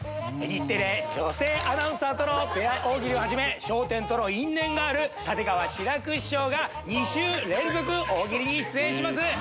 日テレ女性アナウンサーとのペア大喜利をはじめ『笑点』との因縁がある立川志らく師匠が２週連続大喜利に出演します！